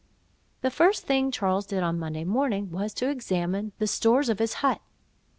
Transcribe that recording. The first thing Charles did on Monday morning, was to examine the stores of his hut.